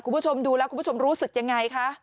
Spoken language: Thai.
คุณผู้ชมดูแล้วคุณผู้ชมรู้สึกยังไงคะ